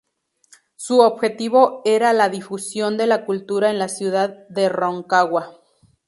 Su objetivo era la difusión de la cultura en la ciudad de Rancagua.